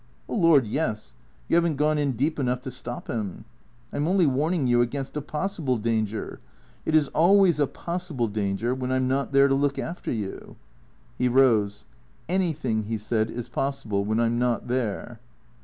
" Oh, Lord, yes. You have n't gone in deep enough to stop him. I 'm only warning you against a possible danger. It 's always a possible danger when I 'm not there to look after you." He rose. " Anything," he said, " is possible when I 'm not there."